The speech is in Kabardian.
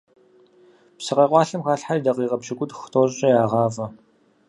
Псы къэкъуалъэм халъхьэри дакъикъэ пщыкӏутху-тӏощӏкъэ ягъавэ.